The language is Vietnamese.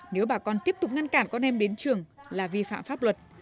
nếu bà con tiếp tục ngăn cản con em đến trường là vi phạm pháp luật